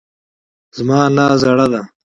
زما نیا زړه ده